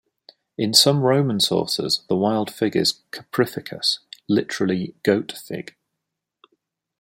In some Roman sources, the wild fig is "caprificus", literally "goat fig".